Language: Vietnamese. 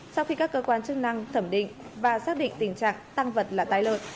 sau khi các cơ quan chức năng thẩm định và xác định tình trạng tăng vật là tài lợn